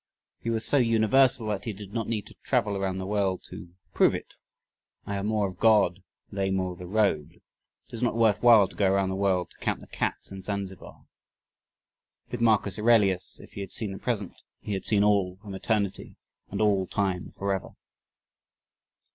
He was so universal that he did not need to travel around the world to PROVE it. "I have more of God, they more of the road." "It is not worth while to go around the world to count the cats in Zanzibar." With Marcus Aurelius, if he had seen the present he had seen all, from eternity and all time forever.